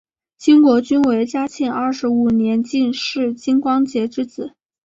金国均为嘉庆二十五年进士金光杰之子。